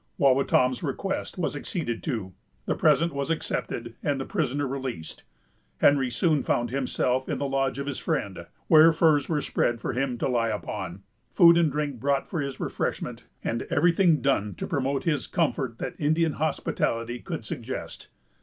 Wawatam's request was acceded to, the present was accepted, and the prisoner released. Henry soon found himself in the lodge of his friend, where furs were spread for him to lie upon, food and drink brought for his refreshment, and every thing done to promote his comfort that Indian hospitality could suggest.